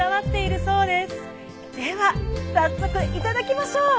では早速頂きましょう。